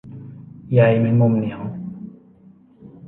ใยแมงมุม เหนียว